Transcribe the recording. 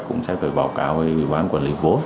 cũng sẽ phải bảo cáo với ủy ban quản lý vốn